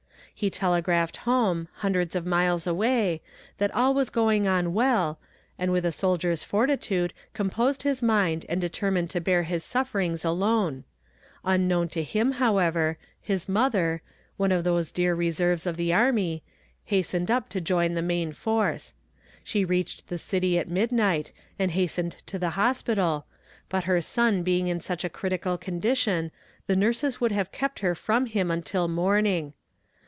"He telegraphed home, hundreds of miles away, that all was going on well, and with a soldier's fortitude composed his mind and determined to bear his sufferings alone. Unknown to him, however, his mother one of those dear reserves of the army hastened up to join the main force. She reached the city at midnight, and hastened to the hospital, but her son being in such a critical condition, the nurses would have kept her from him until morning.